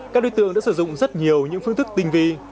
các đối tượng đã sử dụng rất nhiều những phương thức tinh vi